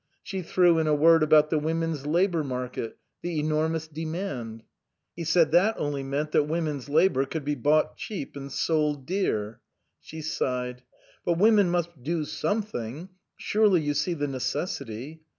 She threw in a word about the women's labour market the enormous demand. He said that only meant that women's labour could be bought cheap and sold dear. She sighed. " But women must do something surely you see the necessity